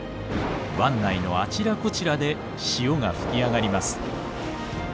湾内のあちらこちらで潮が噴き上がります。